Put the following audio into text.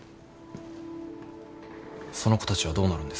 その子たちはどうなるんですか？